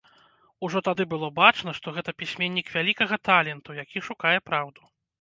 Ужо тады было бачна, што гэта пісьменнік вялікага таленту, які шукае праўду.